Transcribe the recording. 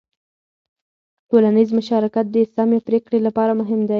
ټولنیز مشارکت د سمې پرېکړې لپاره مهم دی.